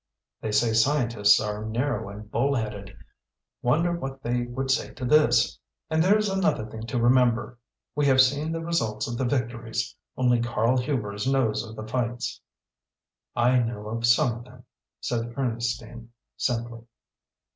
"They say scientists are narrow and bull headed. Wonder what they would say to this? And there's another thing to remember. We have seen the results of the victories. Only Karl Hubers knows of the fights." "I know of some of them," said Ernestine, simply.